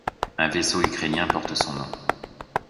Un vaisseau ukrainien porte son nom.